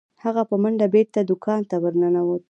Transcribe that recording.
هغه په منډه بیرته دکان ته ورنوت.